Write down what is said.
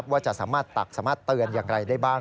ว่าจะสามารถตักสามารถเตือนอย่างไรได้บ้าง